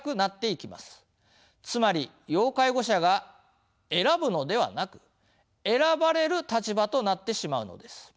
つまり要介護者が選ぶのではなく選ばれる立場となってしまうのです。